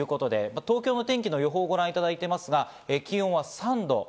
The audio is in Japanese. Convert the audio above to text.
東京の天気の予報をご覧いただいていますが、気温は３度。